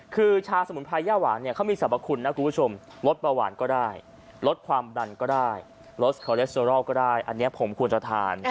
คือชาสมุนไพรย่าหวานเนี่ยเขามีสรรพคุณนะคุณผู้ชมลดเบาหวานก็ได้ลดความดันก็ได้ลดคอเลสเตอรอลก็ได้อันนี้ผมควรจะทาน